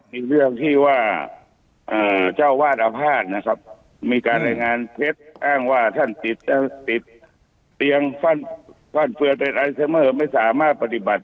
มีเรื่องที่ว่าเอ่อเจ้าวาดอภาษณ์นะครับมีการแห่งงานเผ็ดอ้างว่าท่านติดท่านติดเตียงฟั่นเฟือไม่สามารถปฏิบัติ